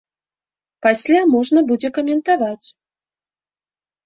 Пасля можна будзе каментаваць.